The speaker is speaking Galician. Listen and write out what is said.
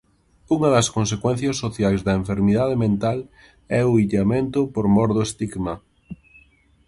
Unha das consecuencias sociais da enfermidade mental é o illamento por mor do estigma.